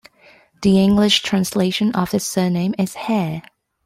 The English translation of this surname is "hare".